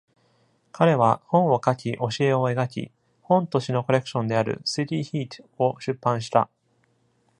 彼は、本を書き挿絵を描き、本と詩のコレクションである City Heat を出版した。